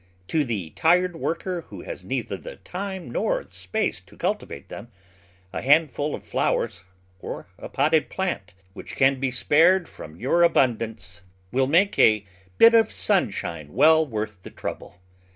To the tired worker who has neither time nor space to cultivate them, a handful of flowers, or a potted plant, which can be spared from your abun dance, will make a bit of sunshine well worth the trouble.